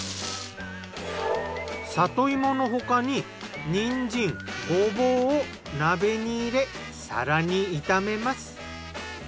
里芋の他ににんじんごぼうを鍋に入れ更に炒めます。